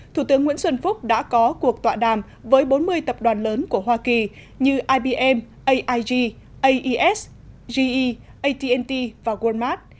thủ tướng nguyễn xuân phúc đã có cuộc tọa đàm với bốn mươi tập đoàn lớn của hoa kỳ như ibm aig aes ge at t và walmart